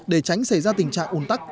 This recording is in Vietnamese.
để tránh xảy ra tình trạng ồn tắc